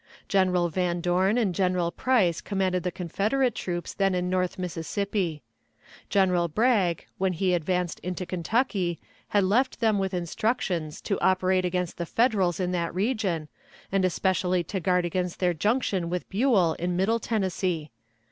General Van Dorn and General Price commanded the Confederate troops then in north Mississippi. General Bragg, when he advanced into Kentucky, had left them with instructions to operate against the Federals in that region, and especially to guard against their junction with Buell in Middle Tennessee.